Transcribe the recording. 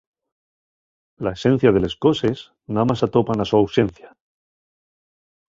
La esencia de les coses namás s'atopa na so ausencia.